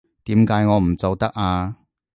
點解我唔做得啊？